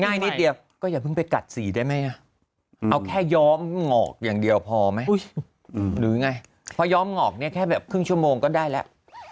ง่ายนิดเดียวก็อย่าเพิ่งไปกัดสีได้ไหมเอาแค่ย้อมหงอกอย่างเดียวพอไหมหรือไงพอย้อมหงอกเนี่ยแค่แบบครึ่งชั่วโมงก็ได้แล้ว